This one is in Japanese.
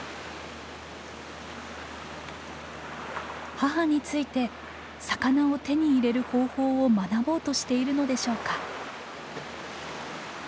母について魚を手に入れる方法を学ぼうとしているのでしょうか。